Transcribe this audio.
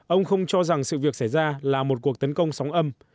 ông không cho rằng sự việc xảy ra là một cuộc tấn công sóng âm